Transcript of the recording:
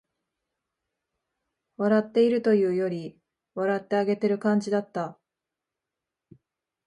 笑っているというより、笑ってあげてる感じだった